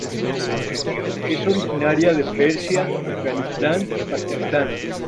Es originaria de Persia, Afganistán, Pakistán.